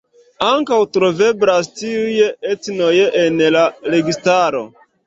Ankaŭ troveblas tiuj etnoj en la registaro.